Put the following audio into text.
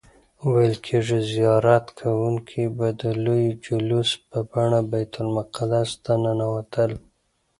ویل کیږي زیارت کوونکي به د لوی جلوس په بڼه بیت المقدس ته ننوتل.